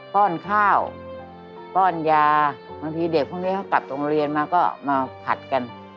ป้อนข้าวป้อนยาบางทีเด็กพวกนี้เขากลับโรงเรียนมาก็มาผัดกัน